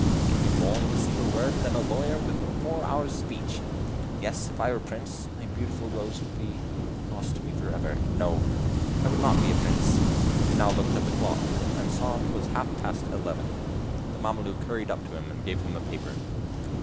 He can do more with a single word than a lawyer with a four hours' speech. Yes! if I were a prince, my beautiful Rose would be lost to me for ever. No! I would not be a prince." He now looked at the clock, and saw 't was half past eleven. The Mameluke hurried up to him and gave him a paper.